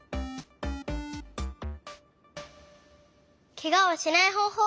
ケガをしないほうほう